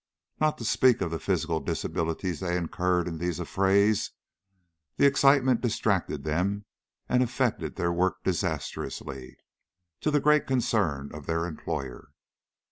Not to speak of the physical disabilities they incurred in these affrays, the excitement distracted them and affected their work disastrously, to the great concern of their employer.